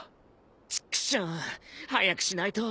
チックショー早くしないと。